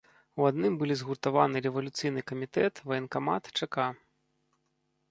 У адным былі згуртаваны рэвалюцыйны камітэт, ваенкамат, чэка.